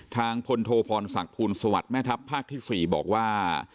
ทางพลโทพรศักดิ์ภูลสวัสดิ์แม่ทัพภาคที่๔บอกว่า